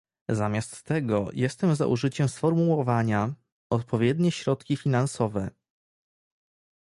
Zamiast tego jestem za użyciem sformułowania "odpowiednie środki finansowe"